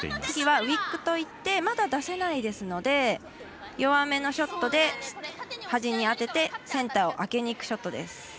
次はウィックといってまだ出せないですので弱めのショットで端に当てて、センターを当てにいくショットです。